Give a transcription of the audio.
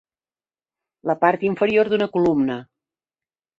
La part inferior d'una columna.